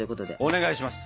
お願いします。